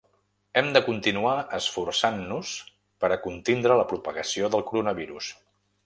Hem de continuar esforçant-nos per a contindre la propagació del coronavirus.